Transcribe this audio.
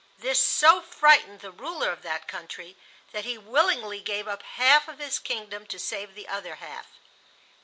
This so frightened the ruler of that country that he willingly gave up half of his kingdom to save the other half.